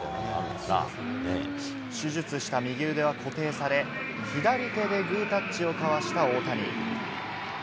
手術した右腕は固定され、左手でグータッチを交わした大谷。